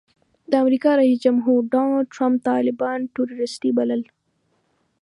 د امریکا جمهور رئیس ډانلډ ټرمپ طالبان ټروریسټي بلل.